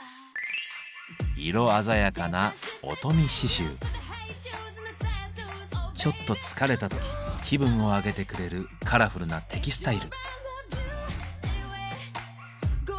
色鮮やかなちょっと疲れた時気分を上げてくれるカラフルなテキスタイル。